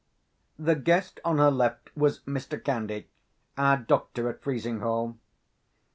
The guest on her left was Mr. Candy, our doctor at Frizinghall.